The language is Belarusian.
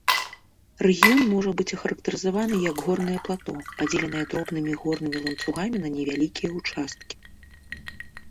Рэгіён можа быць ахарактарызаваны як горнае плато, падзеленае дробнымі горнымі ланцугамі на невялікія ўчасткі.